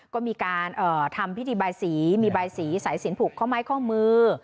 ก็มีการทำพิธีบายสีมีบายสีสายสินผูกข้อไม้ข้อมือ